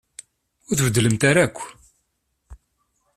Ur tbeddlemt ara akk.